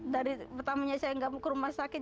dari pertama saya gak mau ke rumah sakit